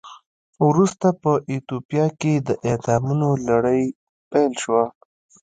ورسته په ایتوپیا کې د اعدامونو لړۍ پیل شوه.